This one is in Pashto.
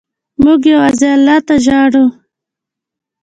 موږ یوازې الله ته وژاړو.